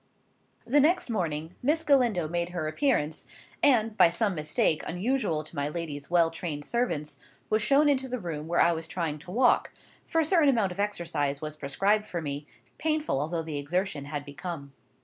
The next morning, Miss Galindo made her appearance, and, by some mistake, unusual to my lady's well trained servants, was shown into the room where I was trying to walk; for a certain amount of exercise was prescribed for me, painful although the exertion had become.